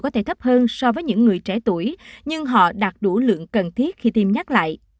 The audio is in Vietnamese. có thể thấp hơn so với những người trẻ tuổi nhưng họ đạt đủ lượng cần thiết khi tiêm nhắc lại